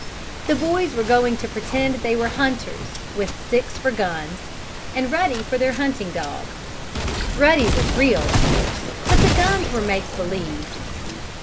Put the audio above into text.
The boys were going to pretend they were hunters, with sticks for guns, and Ruddy for their hunting dog. Ruddy was real, of course, but the guns were make believe.